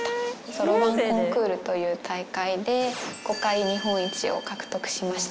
そろばんコンクールという大会で５回日本一を獲得しました